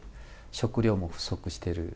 食料も不足している。